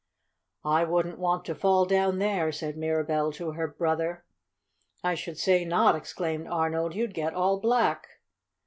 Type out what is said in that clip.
"I wouldn't want to fall down there!" said Mirabell to her brother. "I should say not!" exclaimed Arnold. "You'd get all black!"